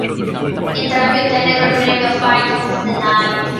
Entrambi ottennero il premio "Fight of the Night".